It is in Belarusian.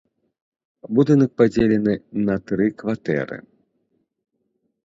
Будынак падзелены на тры кватэры.